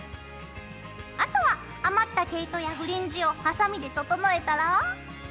あとは余った毛糸やフリンジをハサミで整えたら。